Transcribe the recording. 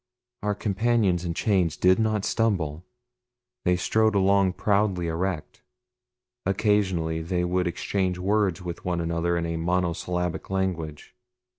Our companions in chains did not stumble. They strode along proudly erect. Occasionally they would exchange words with one another in a monosyllabic language.